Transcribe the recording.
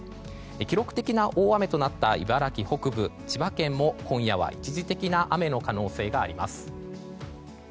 記録的な大雨となった茨城北部、千葉県も今夜は一時的な雨の可能性があります。